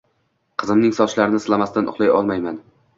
Qizimning sochlarini silamasdan uxlay olmayman